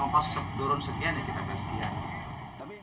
kalau turun sekian ya kita kasih rp empat